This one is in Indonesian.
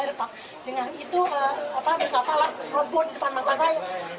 dengan itu apa musapalah road board di depan mata saya